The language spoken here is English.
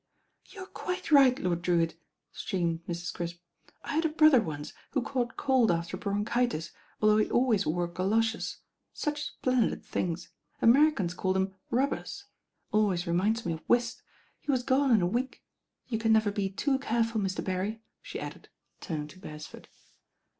"You are quite right, Lord Drewitt," streamed Mrs. Crisp. "I had a brother once who caught cold after bronchitis, although he always wore goloshes. Such splendid things. Americans call them 'rub bers.* Always reminds me of whist. He was gone in a week. You can never be too careful, Mr. Berry," she added, turning to Beresford.